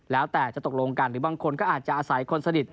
แล้วแต่จะตกลงกันหรือบางคนก็อาจจะอาศัยคนสนิท